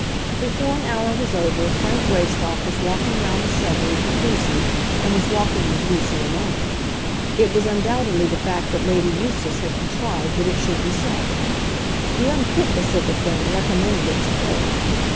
Before an hour was over, Frank Greystock was walking round the shrubberies with Lucy, and was walking with Lucy alone. It was undoubtedly the fact that Lady Eustace had contrived that it should be so. The unfitness of the thing recommended it to her.